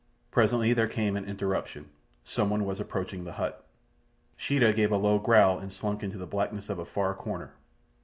Presently there came an interruption. Some one was approaching the hut. Sheeta gave a low growl and slunk into the blackness of a far corner.